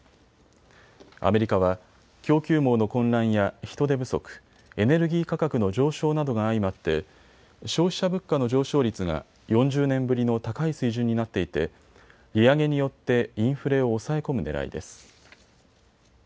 アメリカは供給網の混乱や人手不足、エネルギー価格の上昇などが相まって消費者物価の上昇率が４０年ぶりの高い水準になっていて利上げによってインフレを抑え込むねらいです。